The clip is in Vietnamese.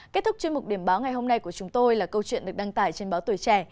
kết thúc chuyên mục điểm báo ngày hôm nay của chúng tôi là câu chuyện được đăng tải trên báo tuổi trẻ